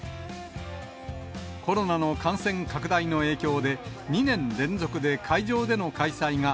コロナの感染拡大の影響で、２年連続で会場での開催が、